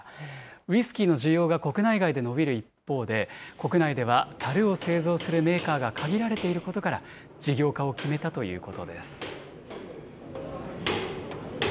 ウイスキーの需要が国内外で伸びる一方で、国内ではたるを製造するメーカーが限られていることから、事業化を決めたということです。